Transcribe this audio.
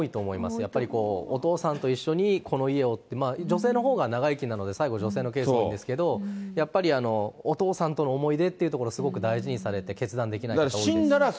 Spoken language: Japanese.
やっぱり、お父さんと一緒にこの家をって、女性のほうが長生きなので、最後、女性のケースが多いんですけれども、やっぱりお父さんとの思い出っていうところ、すごく大事にされて、決断できない人多いです。